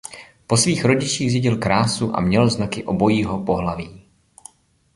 Po svých rodičích zdědil krásu a měl znaky obojího pohlaví.